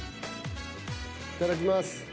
いただきます。